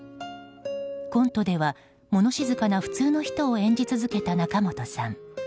コントでは、物静かな普通の人を演じ続けた仲本さん。